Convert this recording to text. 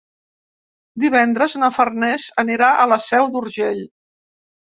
Divendres na Farners anirà a la Seu d'Urgell.